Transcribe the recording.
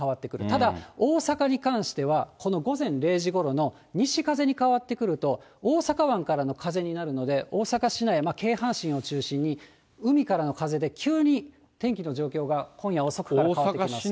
ただ、大阪に関しては、この午前０時ごろの西風に変わってくると、大阪湾からの風になるので、大阪市内、京阪神を中心に、海からの風で急に天気の状況が今夜遅くから変わってきます。